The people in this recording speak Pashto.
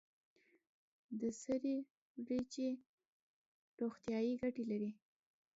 د سرې وریجې روغتیایی ګټې لري.